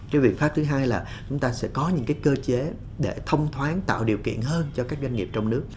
cái biện pháp thứ hai là chúng ta sẽ có những cái cơ chế để thông thoáng tạo điều kiện hơn cho các doanh nghiệp trong nước